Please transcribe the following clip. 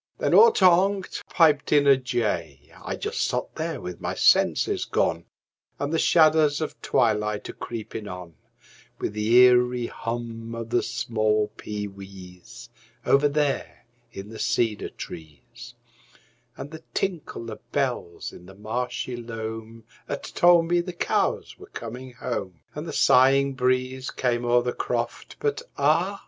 Then all ter onct piped in a jay. I just sot there with my senses gone, And the shadders of twilight a creepin' on, With the eerie hum of the small pee wees, Over there in the cedar trees, And the tinkle of bells in the marshy loam 'At told me the cows were coming home, And the sighing breeze came o'er the croft, But ah!